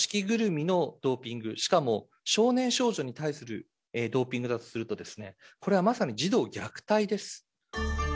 ぐるみのドーピング、しかも少年少女に対するドーピングだとすると、これはまさに児童虐待です。